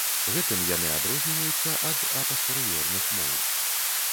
Гэтым яны адрозніваюцца ад апастэрыёрных моў.